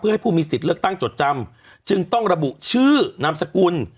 ให้ผู้มีสิทธิ์เลือกตั้งจดจำจึงต้องระบุชื่อนามสกุล